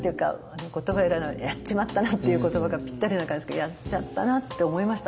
言葉やっちまったなっていう言葉がぴったりな感じですけどやっちゃったなって思いました。